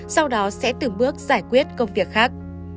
sau đó sẽ từng bước giải quyết công việc khác